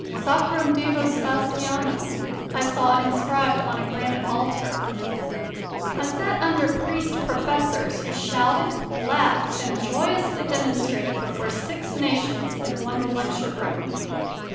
Sacrum Divo Sebastiano, I saw inscribed on a granite altar. I sat under priest professors who shouted, laughed, and joyously demonstrated before six nations in one lecture room.